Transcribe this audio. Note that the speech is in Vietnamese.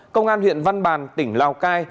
công an huyện văn bàn tỉnh lào cai